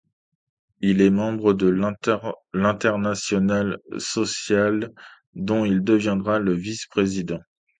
Il est membre de l'Internationale socialiste dont il deviendra le vice-président.